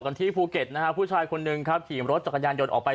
เกิดกันที่ภูเก็ตนะฮะผู้ชายคนนึงครับกี่รถจากกระยานยนต์ออกไป